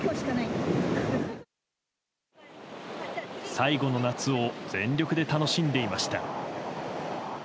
最後の夏を全力で楽しんでいました。